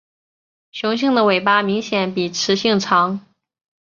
雄性的尾巴明显比雌性长。